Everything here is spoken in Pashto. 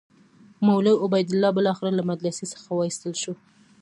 مولوي عبیدالله بالاخره له مدرسې څخه وایستل شو.